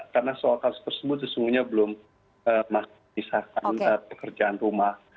karena soal kasus tersebut sesungguhnya belum masih disarkan pekerjaan rumah